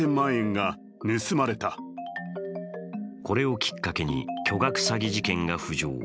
これをきっかけに巨額詐欺事件が浮上。